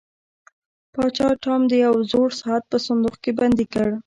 پاچا ټام د یو زوړ ساعت په صندوق کې بندي کړ.